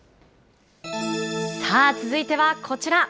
さあ、続いてはこちら。